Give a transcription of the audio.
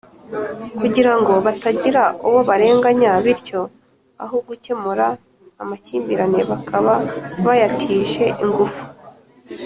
kugira ngo batagira uwo barenganya bityo aho gukemura amakimbirane bakaba bayatije ingufu,